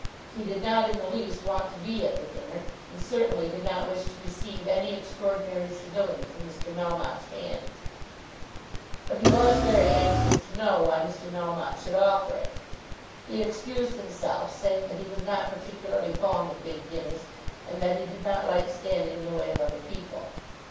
He did not in the least want to be at the dinner, and certainly did not wish to receive any extraordinary civility from Mr. Melmotte's hands. But he was very anxious to know why Mr. Melmotte should offer it. He excused himself saying that he was not particularly fond of big dinners, and that he did not like standing in the way of other people.